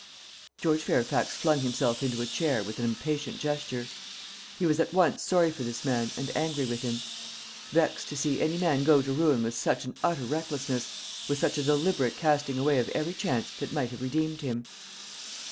George Fairfax flung himself into a chair with an impatient gesture. He was at once sorry for this man and angry with him; vexed to see any man go to ruin with such an utter recklessness, with such a deliberate casting away of every chance that might have redeemed him.